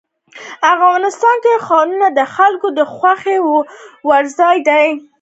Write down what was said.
افغانستان کې ښارونه د خلکو د خوښې وړ ځای دی.